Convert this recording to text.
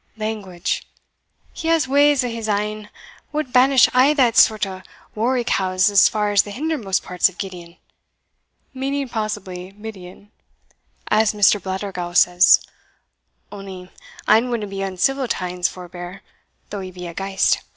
Language? he has ways o' his ain wad banish a' thae sort o' worricows as far as the hindermost parts of Gideon" (meaning possibly Midian), "as Mr. Blattergowl says only ane widna be uncivil to ane's forbear, though he be a ghaist.